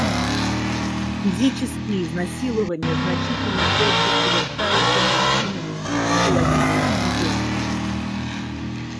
Физические изнасилования значительно чаще совершаются мужчинами, психологические — женщинами.